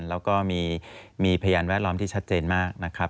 แล้วก็มีพยานแวดล้อมที่ชัดเจนมากนะครับ